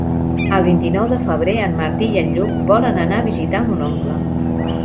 El vint-i-nou de febrer en Martí i en Lluc volen anar a visitar mon oncle.